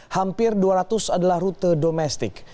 hampir dua ratus adalah rute domestik